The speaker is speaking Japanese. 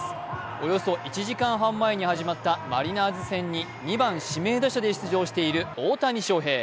およそ１時間半前に始まったマリナーズ戦に２番・指名打者で出場している大谷翔平。